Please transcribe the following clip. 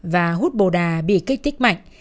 và hút bồ đà bị kích tích mạnh